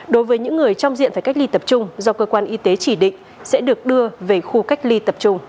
đối với những người trong diện phải cách ly tập trung do cơ quan y tế chỉ định sẽ được đưa về khu cách ly tập trung